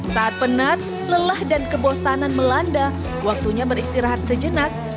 saat penat lelah dan kebosanan melanda waktunya beristirahat sejenak